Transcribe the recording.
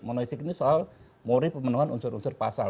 monohistik ini soal murid pemenuhan unsur unsur pasal